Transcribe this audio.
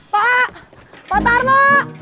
pak pak tarma